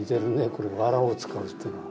このわらを使うってのは。